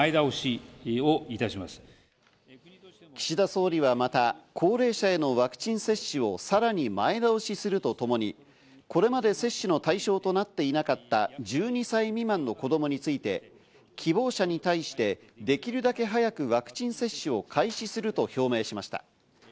岸田総理はまた、高齢者へのワクチン接種をさらに前倒しするとともにこれまで接種の対象となっていなかった１２歳未満の子供について希望者に対してできるだけ早くワクチン接種を開始すると表明しました。